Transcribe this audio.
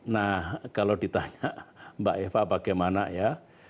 nah kalau ditanya mbak eva bagaimana ya